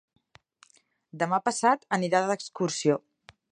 Demà passat anirà d'excursió.